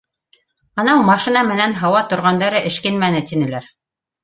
Анау машина менән һауа торғандары эшкинмәне, тинеләр